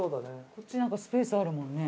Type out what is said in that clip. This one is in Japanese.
こっちなんかスペースあるもんね。